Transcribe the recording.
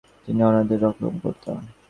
তিনি অনাথদের রক্ষাকর্তা।